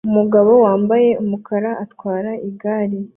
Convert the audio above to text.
umugabo wambaye umukara atwara igare